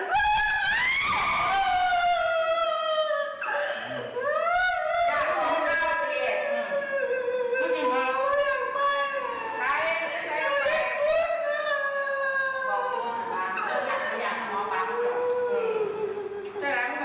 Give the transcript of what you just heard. หมอปลาหมอปลา